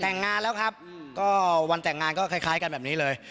แต่งงานแล้วครับก็วันแต่งงานก็คล้ายกันแบบนี้เลย